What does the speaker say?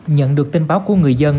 nhận được tin báo của người dân